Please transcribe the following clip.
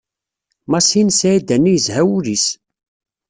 Masin Sɛidani yezha wul-is.